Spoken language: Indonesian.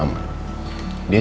jason mantan aku